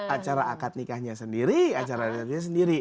acara akad nikahnya sendiri acara adatnya sendiri